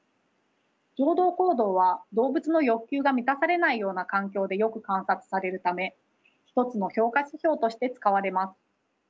常同行動は動物の欲求が満たされないような環境でよく観察されるため一つの評価指標として使われます。